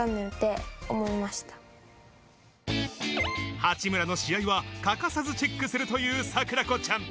八村の試合は欠かさずチェックするという桜子ちゃん。